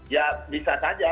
ya bisa saja